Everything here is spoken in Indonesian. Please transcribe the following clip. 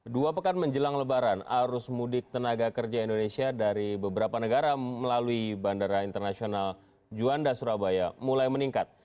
dua pekan menjelang lebaran arus mudik tenaga kerja indonesia dari beberapa negara melalui bandara internasional juanda surabaya mulai meningkat